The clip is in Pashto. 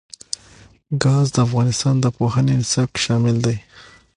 ګاز د افغانستان د پوهنې نصاب کې شامل دي.